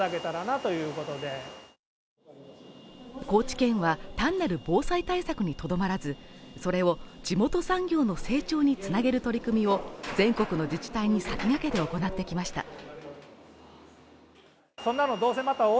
高知県は単なる防災対策にとどまらずそれを地元産業の成長につなげる取り組みを全国の自治体に先駆けて行ってきました